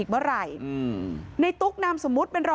ช่องบ้านต้องช่วยแจ้งเจ้าหน้าที่เพราะว่าโดนฟันแผลเวิกวะค่ะ